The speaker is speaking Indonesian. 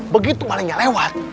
begitu malingnya lewat